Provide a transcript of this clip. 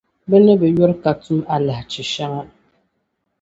Bɛ ni bi yuri ka tum alahichi shɛŋa.